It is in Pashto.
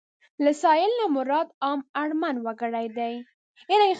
له سايل نه مراد عام اړمن وګړي دي.